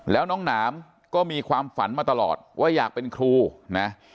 แล้วน้องหนามก็มีความฝันมาตลอดว่าอยากเป็นครูนะ